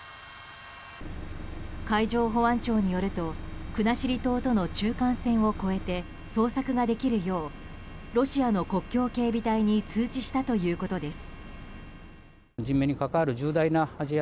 海上保安庁によると国後島との中間線を越えて捜索ができるようロシアの国境警備隊に通知したということです。